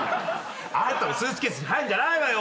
あんたもスーツケースに入るんじゃないわよ